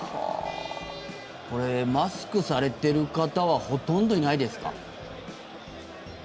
これ、マスクされてる方はほとんどいないですか？